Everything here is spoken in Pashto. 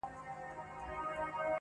چي « غلي انقلاب » ته یې زلمي هوښیاروله؛